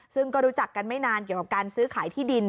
ซึ่งก็รู้จักกันไม่นานเกี่ยวกับการซื้อขายที่ดิน